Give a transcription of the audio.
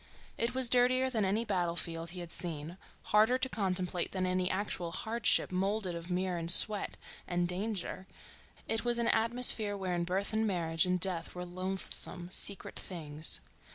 It was dirtier than any battle field he had seen, harder to contemplate than any actual hardship moulded of mire and sweat and danger, it was an atmosphere wherein birth and marriage and death were loathsome, secret things.